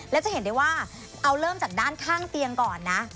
แล้วจะเห็นได้ว่าเอาเริ่มจากด้านข้างเตียงก่อนนะ